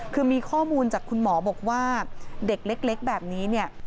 คือมีข้อมูลจากคุณหมอบอกว่าเด็กเล็กแบบนี้เนี่ย